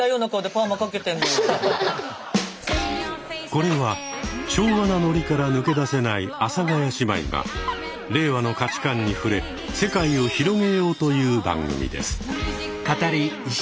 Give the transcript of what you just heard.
これは昭和なノリから抜け出せない阿佐ヶ谷姉妹が令和の価値観に触れ世界を広げようという番組です。